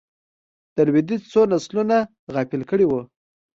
د لوېدیځ څو نسلونه غافل کړي وو.